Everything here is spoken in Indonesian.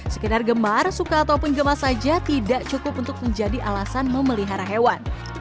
sekedar gemar suka ataupun gemas saja tidak cukup untuk menjadi alasan memelihara hewan